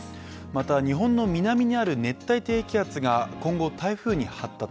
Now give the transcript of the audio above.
また、日本の南にある熱帯低気圧が今後台風に発達。